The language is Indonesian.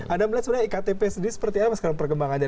anda melihat sebenarnya iktp sendiri seperti apa sekarang perkembangannya